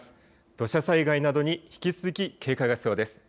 土砂災害などに引き続き警戒が必要です。